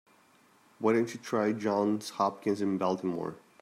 Why don't you try Johns Hopkins in Baltimore?